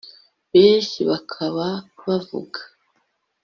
Benshi bakaba bavuga